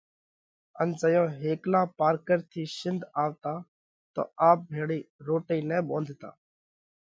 اُو زئيون هيڪلا پارڪر ٿِي شنڌ آوَتا تو آپ ڀيۯئِي روٽئِي نہ ٻونڌتا۔